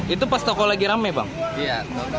itu pas toko lagi rame banget ya